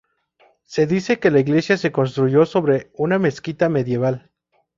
Se dice que la iglesia se construyó sobre una mezquita medieval.